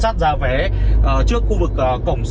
a đắt không